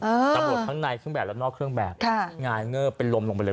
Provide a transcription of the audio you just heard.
ตำรวจทั้งในเครื่องแบบและนอกเครื่องแบบค่ะงายเงิบเป็นลมลงไปเลย